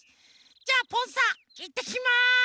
じゃあぽんさいってきます！